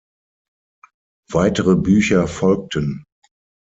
Weitere Bücher folgten.